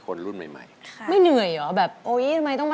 กระแซะเข้ามาสิ